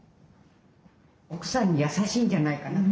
奥さんに優しいんじゃないかなと。